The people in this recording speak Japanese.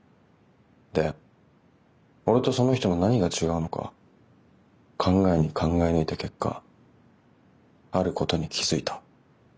で俺とその人の何が違うのか考えに考え抜いた結果あることに気付いた。